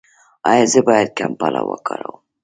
ایا زه باید کمپله وکاروم؟